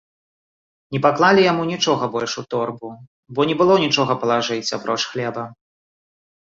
Не паклалі яму нічога больш у торбу, бо не было нічога палажыць, апроч хлеба.